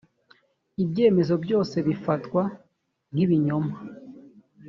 ibyemezo byose bifatwa nkibinyoma.